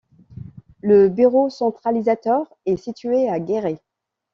Le bureau centralisateur est situé à Guéret.